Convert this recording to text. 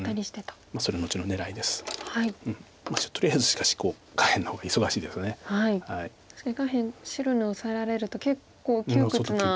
確かに下辺白にオサえられると結構窮屈な。